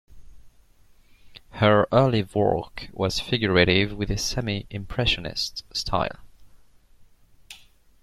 Her early work was figurative with a semi-impressionist style.